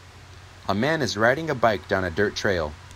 A man is riding a bike down a dirt trail.